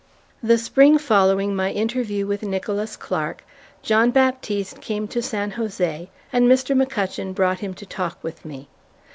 The Spring following my interview with Nicholas Clark, John Baptiste came to San Jose, and Mr. McCutchen brought him to talk with me.